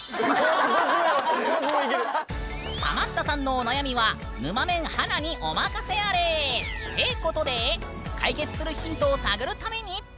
ハマったさんのお悩みはぬまメン華にお任せあれ！ってことで解決するヒントを探るために。